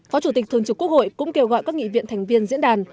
phó chủ tịch thường trực quốc hội cũng kêu gọi các nghị viện thành viên diễn đàn